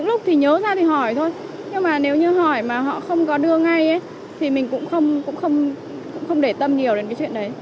nhưng mà nếu như hỏi mà họ không có đưa ngay thì mình cũng không để tâm nhiều đến cái chuyện đấy